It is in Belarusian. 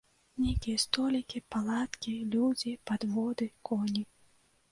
Нейкія столікі, палаткі, людзі, падводы, коні.